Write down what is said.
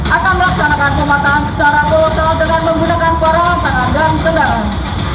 akan melaksanakan pemataan secara total dengan menggunakan perahu tangan dan kendaraan